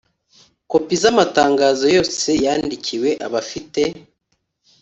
kopi z amatangazo yose yandikiwe abafite